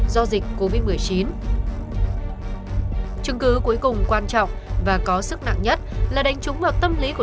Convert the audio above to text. do dịch covid một mươi chín chứng cứ cuối cùng quan trọng và có sức nặng nhất là đánh trúng vào tâm lý của